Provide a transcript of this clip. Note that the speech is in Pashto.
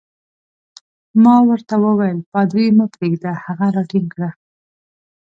ما ورته وویل: پادري مه پرېږده، هغه راټینګ کړه.